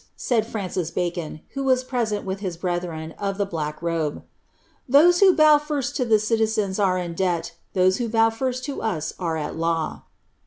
said Francis Bacon, who was present 9 brethren of the black robe, "those who bow first to the citizens debt; those who bow first to us are at law."